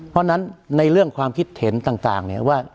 เพราะฉะนั้นในเรื่องความคิดเห็นต่างเนี่ยว่า